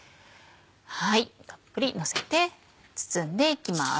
たっぷりのせて包んでいきます。